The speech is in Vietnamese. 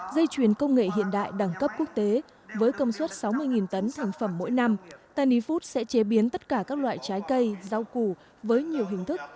dây chuyền công nghệ hiện đại đẳng cấp quốc tế với công suất sáu mươi tấn thành phẩm mỗi năm tanny food sẽ chế biến tất cả các loại trái cây rau củ với nhiều hình thức